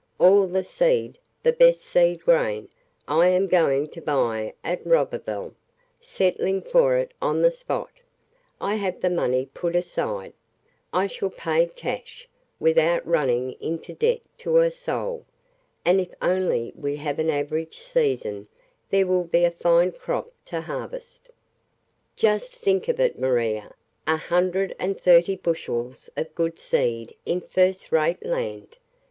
All the seed, the best seed grain, I am going to buy at Roberval, settling for it on the spot ... I have the money put aside; I shall pay cash, without running into debt to a soul, and if only we have an average season there will be a fine crop to harvest. Just think of it, Maria, a hundred and thirty bushels of good seed in first rate land!